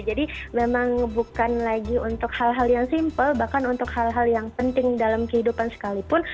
jadi memang bukan lagi untuk hal hal yang simple bahkan untuk hal hal yang penting dalam kehidupan sekalipun